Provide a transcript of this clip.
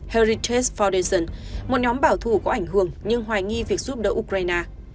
heritage foundason một nhóm bảo thủ có ảnh hưởng nhưng hoài nghi việc giúp đỡ ukraine